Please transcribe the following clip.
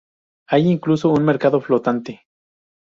Hay incluso un mercado flotante.